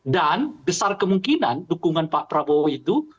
dan besar kemungkinan dukungan pak prabowo itu